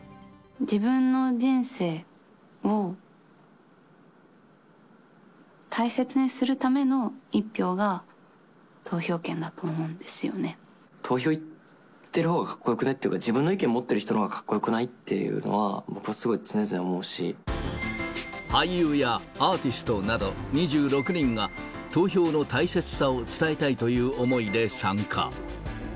自分の人生を大切にするための１票が、投票行ってるほうがかっこよくない？っていうか、自分の意見を持っている人のほうがかっこよくない？というのは、俳優やアーティストなど、２６人が投票の大切さを伝えたいという思いで参加。